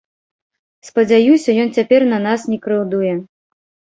Спадзяюся, ён цяпер на нас не крыўдуе!